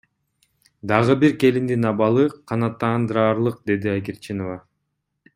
Дагы бир келиндин абалы канаттандыраарлык, — деди Айгерчинова.